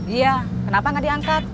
iya kenapa gak diangkat